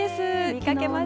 見かけます。